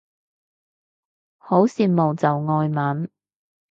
好羨慕就外文